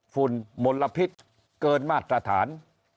ฝุ่นมลพิษเกินมาตรฐาน